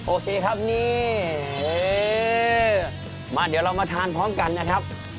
โอเคครับนี่มาเดี๋ยวเรามาทานพร้อมกันนะครับ